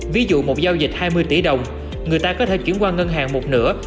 ví dụ một giao dịch hai mươi tỷ đồng người ta có thể chuyển qua ngân hàng một nửa